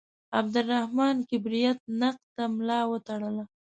عبدالرحمان کبریت نقد ته ملا وتړله.